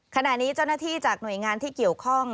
ขณะนี้เจ้าหน้าที่จากหน่วยงานที่เกี่ยวข้อง